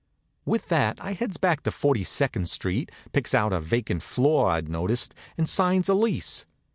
With that I heads back for Forty second street, picks out a vacant floor I'd noticed, and signs a lease.